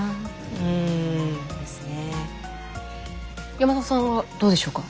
山里さんはどうでしょうか？